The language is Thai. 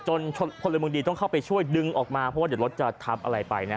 พลเมืองดีต้องเข้าไปช่วยดึงออกมาเพราะว่าเดี๋ยวรถจะทับอะไรไปนะ